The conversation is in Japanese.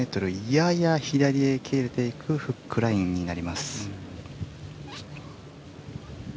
やや左に切れていくフックラインです。